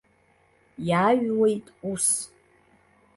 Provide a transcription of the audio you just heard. Иааҩуеит ус.